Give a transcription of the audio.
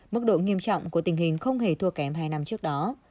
mức độ nghiêm trọng của tình hình không hề thua kém hai năm trước đó